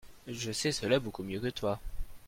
Je sais cela beaucoup mieux que toi.